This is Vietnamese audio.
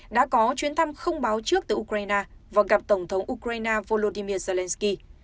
đã có chuyến thăm không báo trước từ ukraine và gặp tổng thống ukraine volodymyr zelensky